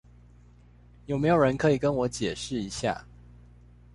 有沒有人可以跟我解釋一下